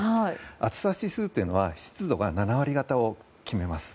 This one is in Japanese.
暑さ指数というのは湿度が７割方を決めます。